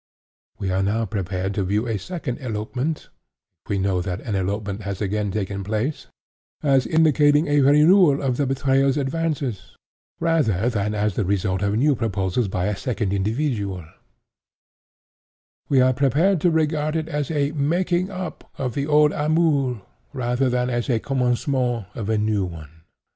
We are now prepared to view a second elopement (if we know that an elopement has again taken place) as indicating a renewal of the betrayer's advances, rather than as the result of new proposals by a second individual—we are prepared to regard it as a 'making up' of the old amour, rather than as the commencement of a new one.